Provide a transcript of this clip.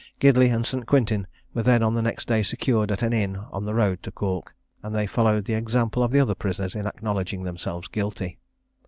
Gidley and St. Quintin were then on the next day secured at an inn on the road to Cork; and they followed the example of the other prisoners in acknowledging themselves guilty.